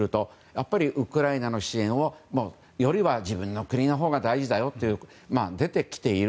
やっぱりウクライナの支援よりは自分の国のほうが大事だよというのが出てきている。